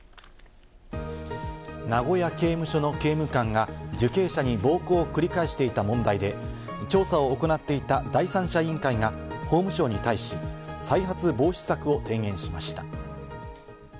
名古屋刑務所の刑務官が受刑者に暴行を繰り返していた問題で、調査を行っていた第三者委員会が法務省に対し、再発防止策を提言しました。